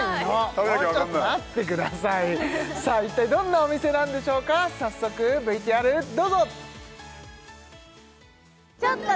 食べなきゃわかんない一体どんなお店なんでしょうか早速ＶＴＲどうぞ！